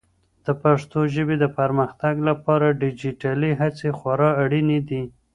د پښتو ژبې د پرمختګ لپاره ډیجیټلي هڅې خورا اړینې دي.